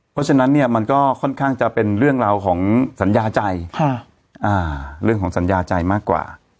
เพราะฉะนั้นเนี่ยมันก็ค่อนข้างจะเป็นเรื่องราวของสัญญาใจเรื่องของสัญญาใจมากกว่า